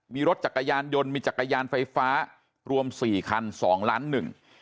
มีรถจักรยานยนต์มีจักรยานไฟฟ้ารวมสี่คันสองล้านหนึ่ง